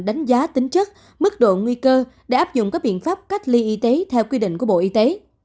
đánh giá tính chất mức độ nguy cơ để áp dụng các biện pháp cách ly y tế theo quy định của bộ y tế